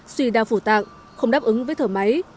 suy đa phủ tạng không đáp ứng với thở máy